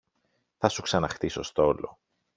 Θα σου ξαναχτίσω στόλο